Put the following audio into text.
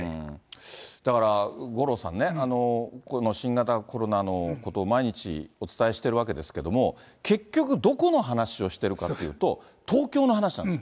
だから、五郎さんね、この新型コロナのことを毎日お伝えしてるわけですけども、結局どこの話をしてるかっていうと、東京の話なんです。